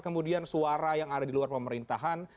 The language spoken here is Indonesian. kemudian suara yang ada di luar pemerintahan